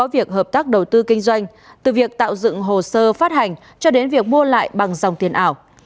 việc hợp tác đầu tư kinh doanh từ việc tạo dựng hồ sơ phát hành cho đến việc mua lại bằng dòng tiền ảo